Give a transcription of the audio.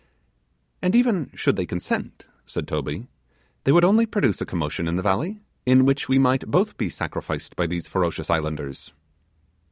'And even should they consent,' said Toby, 'they would only produce a commotion in the valley, in which we might both be sacrificed by these ferocious islanders.